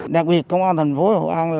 đặc biệt công an thành phố hồ an